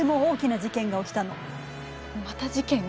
また事件？